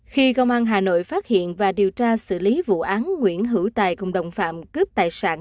khi công an hà nội phát hiện và điều tra xử lý vụ án nguyễn hữu tài cùng đồng phạm cướp tài sản